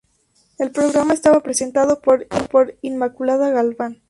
El programa estaba presentado por Inmaculada Galván.